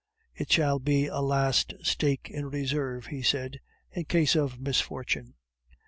"It shall be a last stake in reserve," he said, "in case of misfortune."